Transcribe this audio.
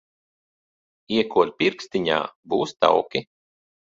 Iekod pirkstiņā, būs tauki.